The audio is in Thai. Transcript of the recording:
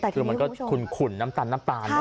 คือมันก็ขุนน้ำตาลเนอะ